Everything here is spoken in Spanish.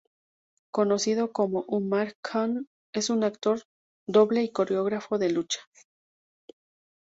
Conocido como Umar Khan, es un actor, doble y coreógrafo de lucha.